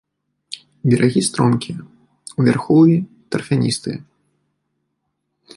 Берагі стромкія, у вярхоўі тарфяністыя.